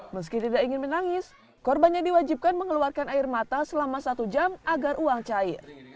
meski tidak ingin menangis korbannya diwajibkan mengeluarkan air mata selama satu jam agar uang cair